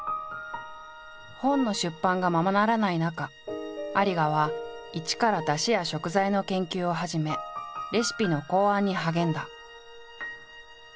本の出版がままならない中有賀は一からだしや食材の研究を始めレシピの考案に励んだ。